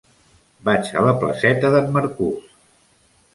Vaig a la placeta d'en Marcús.